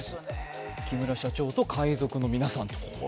木村社長と海賊の皆さん。